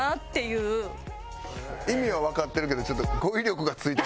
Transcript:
意味はわかってるけどちょっと。